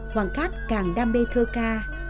hoàng cát càng đam mê thơ ca